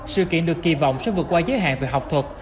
sự kiện được kỳ vọng sẽ vượt qua giới hạn về học thuật